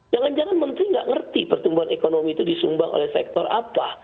jangan jangan menteri nggak ngerti pertumbuhan ekonomi itu disumbang oleh sektor apa